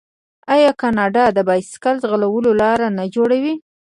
آیا کاناډا د بایسکل ځغلولو لارې نه جوړوي؟